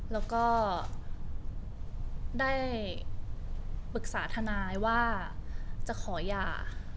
แล้วก็ได้ปรึกษาทนายว่าจะขอหย่า